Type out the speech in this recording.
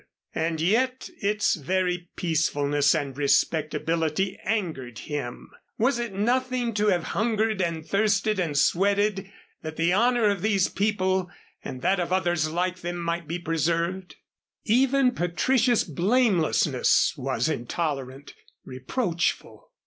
And yet its very peacefulness and respectability angered him. Was it nothing to have hungered and thirsted and sweated that the honor of these people and that of others like them might be preserved? Even Patricia's blamelessness was intolerant reproachful.